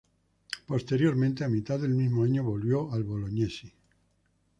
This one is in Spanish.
Posteriormente, a mitad del mismo año volvió al Bolognesi.